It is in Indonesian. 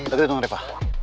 lagi di tengah reva